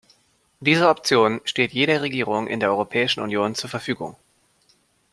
Diese Option steht jeder Regierung in der Europäischen Union zur Verfügung.